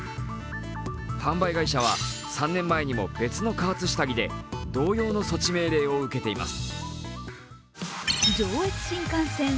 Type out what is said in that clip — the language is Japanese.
販売会社は３年前にも別の加圧下着で同様の措置命令を受けています。